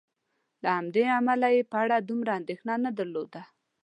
له همدې امله یې په اړه دومره اندېښنه نه درلودله.